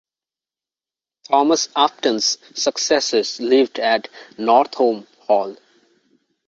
Thomas Upton's successors lived at Northolme Hall.